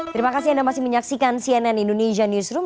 terima kasih anda masih menyaksikan cnn indonesia newsroom